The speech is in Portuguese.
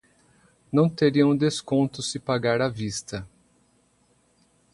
Não teria um desconto se pagar à vista.